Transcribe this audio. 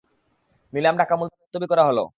নিলাম ডাকা মুলতবি করা হলো।